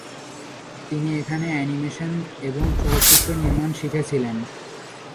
তিনি এখানে অ্যানিমেশন এবং চলচ্চিত্র নির্মাণ শিখেছিলেন।